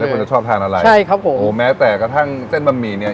คนจะชอบทานอะไรใช่ครับผมโอ้แม้แต่กระทั่งเส้นบะหมี่เนี้ย